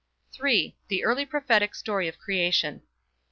III THE EARLY PROPHETIC STORY OF CREATION.